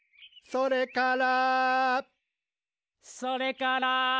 「それから」